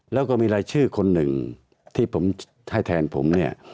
แล้วก็มีรายชื่อคนหนึ่งที่ผมให้แทนผมเนี่ย